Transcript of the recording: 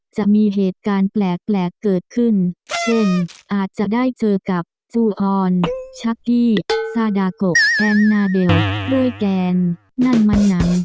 จะมีเหตุการณ์แปลกเกิดขึ้นเช่นอาจจะได้เจอกับจูออนชักกี้ซาดากกแอนนาเบลด้วยแกนนั่นมันนั้น